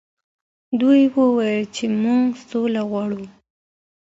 دوی وویل چې موږ سوله غواړو.